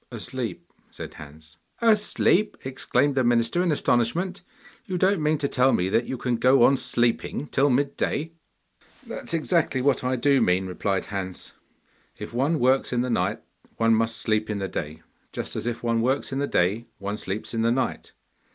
'Asleep,' said Hans. 'Asleep!' exclaimed the minister in astonishment. 'You don't mean to tell me that you can go on sleeping till mid day?' 'That is exactly what I do mean,' replied Hans. 'If one works in the night one must sleep in the day, just as if one works in the day one sleeps in the night.